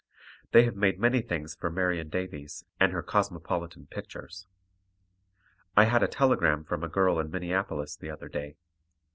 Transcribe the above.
They have made many things for Marion Davies and her Cosmopolitan pictures. I had a telegram from a girl in Minneapolis the other day.